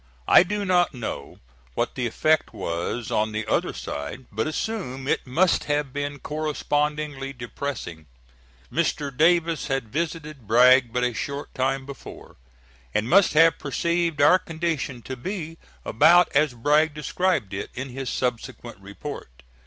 I do not know what the effect was on the other side, but assume it must have been correspondingly depressing. Mr. Davis had visited Bragg but a short time before, and must have perceived our condition to be about as Bragg described it in his subsequent report.